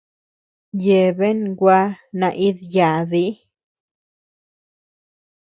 Yeabean gua naídii yádii.